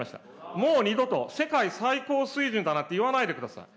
もう二度と、世界最高水準だなんて言わないでください。